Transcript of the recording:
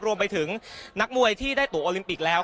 รวมไปถึงนักมวยที่ได้ตัวโอลิมปิกแล้ว